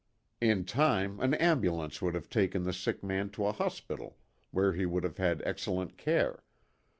In time an ambulance would have taken the sick man to a hospital where he would have had excellent care.